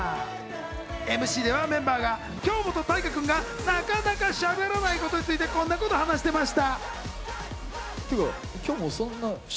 ＭＣではメンバーが京本大我君がなかなかしゃべらないことについて、こんな事を話していました。